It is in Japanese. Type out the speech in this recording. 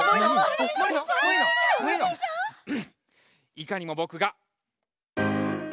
いかにもぼくが。